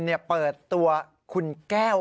เนี่ยเปิดตัวคุณแก้ว